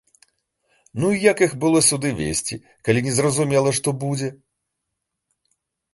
Ну і як іх было сюды везці, калі не зразумела, што будзе?